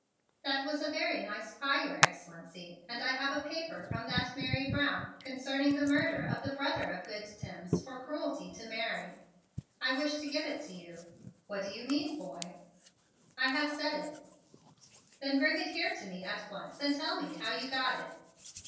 "That was a very nice pie, Your Excellency, and I have a paper from that Mary Brown concerning the murder of the brother of good Timms for cruelty to Mary. I wish to give it to you." "What do you mean, boy?" "I have said it." "Then bring it here to me at once and tell me how you got it."